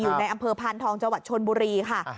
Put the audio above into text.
อยู่ในอำเภอพานทองจชนบุรีค่ะ